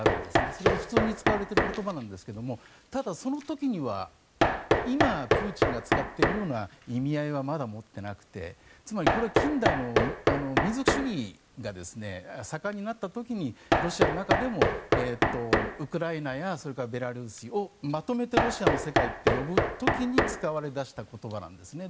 それで普通に使われている言葉なんですがただ、その時には今、プーチンが使っているような意味合いはまだ持っていなくてつまり、近代の民族主義が盛んになった時にロシアの中でもウクライナやベラルーシをまとめてロシアの世界って呼ぶ時に使われ出した言葉なんですね。